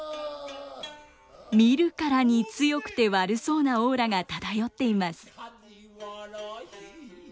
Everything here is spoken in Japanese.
見るからに強くて悪そうなオーラが漂っています。